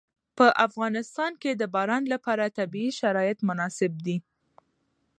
په افغانستان کې د باران لپاره طبیعي شرایط مناسب دي.